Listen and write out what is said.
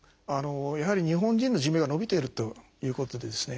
やはり日本人の寿命が延びているということでですね